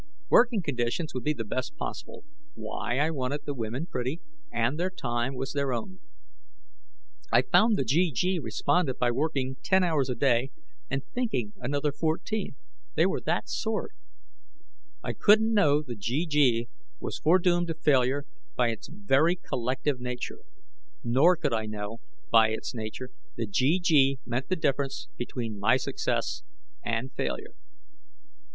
Working conditions would be the best possible why I'd wanted the women pretty and their time was their own. I found the GG responded by working 10 hours a day and thinking another 14. They were that sort. I couldn't know the GG was foredoomed to failure by its very collective nature; nor could I know, by its nature, the GG meant the difference between my success and failure.